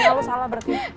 ya lu salah berarti